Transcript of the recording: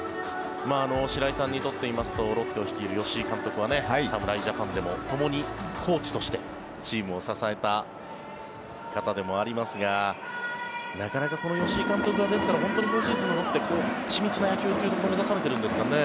白井さんにとってみますとロッテを率いる吉井監督は侍ジャパンでもともにコーチとしてチームを支えた方でもありますがなかなかこの吉井監督はですから、今シーズン緻密な野球を目指されているんですかね。